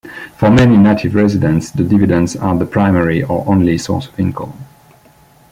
For many native residents the dividends are the primary, or only, source of income.